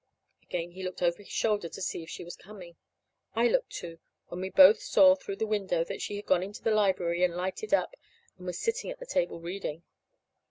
Again he looked over his shoulder to see if she was coming. I looked, too, and we both saw through the window that she had gone into the library and lighted up and was sitting at the table reading.